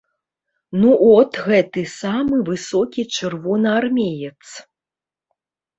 Ну от гэты самы высокі чырвонаармеец.